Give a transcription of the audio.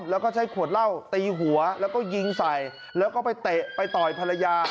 แล้วก็ใช้ขวดเหล้าตีหัวแล้วก็ยิงใส่แล้วก็ไปเตะไปต่อยภรรยา